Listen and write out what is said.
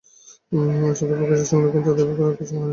ওই চামড়া প্রক্রিয়াজাত করে সংরক্ষণ করতে তাঁদের আরও কিছু খরচ হয়।